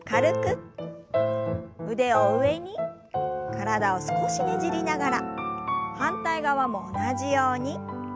体を少しねじりながら反対側も同じように。